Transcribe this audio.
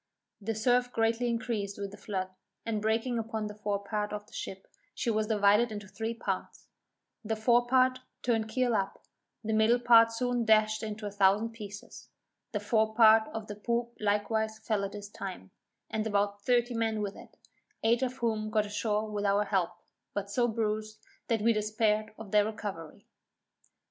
The surf greatly increasing with the flood, and breaking upon the fore part of the ship, she was divided into three parts; the fore part turned keel up, the middle part soon dashed into a thousand pieces; the fore part of the poop likewise fell at this time, and about thirty men with it, eight of whom got ashore with our help, but so bruised, that we despaired of their recovery.